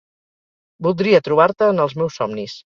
Voldria trobar-te en els meus somnis.